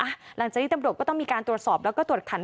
หลังจากนี้ตำรวจก็ต้องมีการตรวจสอบแล้วก็ตรวจขัน